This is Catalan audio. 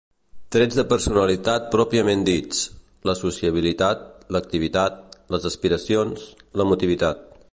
Trets de personalitat pròpiament dits: la sociabilitat, l'activitat, les aspiracions, l'emotivitat.